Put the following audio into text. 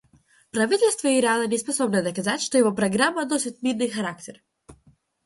Правительство Ирана не способно доказать, что его программа носит мирный характер.